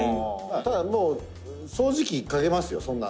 「ただ、もう掃除機かけますよ、そんな」